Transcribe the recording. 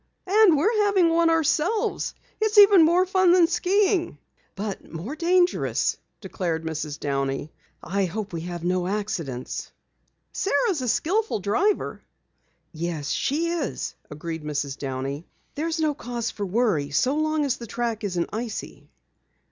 "And we're having one ourselves. It's even more fun than skiing." "But more dangerous," declared Mrs. Downey. "I hope we have no accidents." "Sara is a skillful driver." "Yes, she is," agreed Mrs. Downey. "There's no cause for worry so long as the track isn't icy."